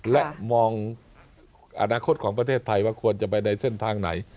และมองอนาคตของประเทศไทยว่าควรจะไปในเส้นทางไหน